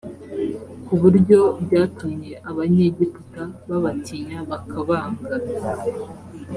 ku buryo byatumye abanyegiputa babatinya bakabanga